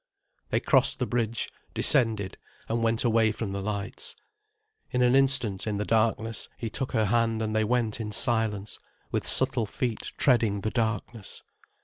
They crossed the bridge, descended, and went away from the lights. In an instant, in the darkness, he took her hand and they went in silence, with subtle feet treading the darkness.